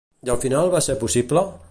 I al final va ser possible?